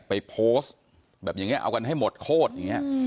ไปโพสต์แบบอย่างนี้เอากันให้หมดโคตรอย่างนี้